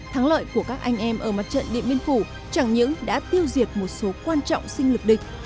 thắng lợi của các anh em ở mặt trận điện biên phủ chẳng những đã tiêu diệt một số quan trọng sinh lực địch